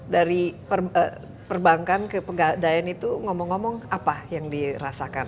dari perbankan ke pegadaian itu ngomong ngomong apa yang dirasakan